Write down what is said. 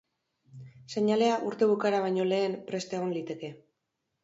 Seinalea urte bukaera baino lehen prest egon liteke.